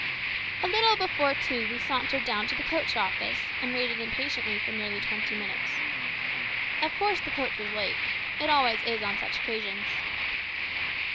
A little before two we sauntered down to the coach office, and waited impatiently for nearly twenty minutes. Of course the coach was late; it always is on such occasions.